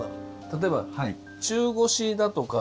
例えば中腰だとか。